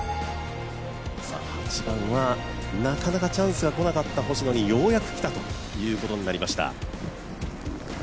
８番はなかなかチャンスがこなかった星野にようやく来たということになりました。